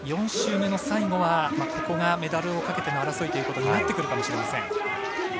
４周目の最後はここがメダルをかけての争いということになってくるかもしれません。